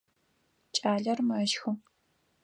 Кӏалэр мэщхы.